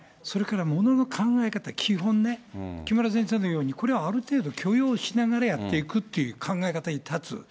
それからものの考え方、基本ね、木村先生のように、これはある程度許容しながらやっていくっていう考え方に立つ。